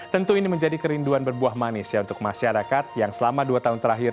tentu ini menjadi kerinduan berbuah manis ya untuk masyarakat yang selama dua tahun terakhir